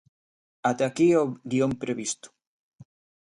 Até aquí o guión previsto.